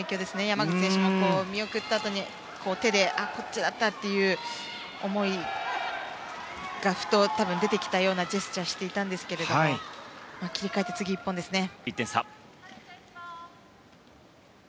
山口選手も見送ったあとに手で、こっちだったという思いがふと出てきたようなジェスチャーしていましたが切り替えて、次１本ですね。